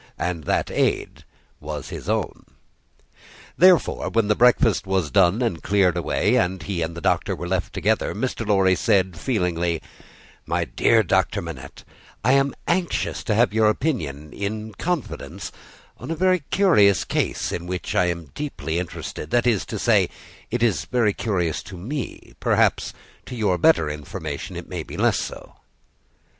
And that aid was his own. Therefore, when the breakfast was done and cleared away, and he and the Doctor were left together, Mr. Lorry said, feelingly: "My dear Manette, I am anxious to have your opinion, in confidence, on a very curious case in which I am deeply interested; that is to say, it is very curious to me; perhaps, to your better information it may be less so."